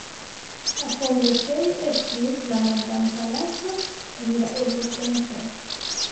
La kongresejo estis la Madam-palaco en la urbocentro.